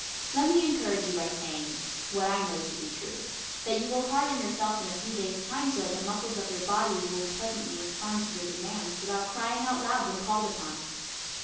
Let me encourage you by saying, what I know to be true, that you will harden yourself in a few days' time so that the muscles of your body will pleasantly respond to your demands without crying out loud when called upon.